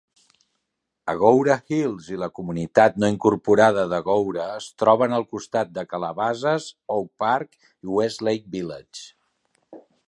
Agoura Hills i la comunitat no incorporada d'Agoura es troben al costat de Calabasas, Oak Park i Westlake Village.